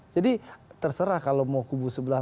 jadi terserah kalau mau kubu sebelah